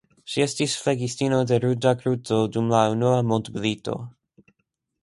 Ŝi estis flegistino de Ruĝa Kruco dum la Unua Mondmilito.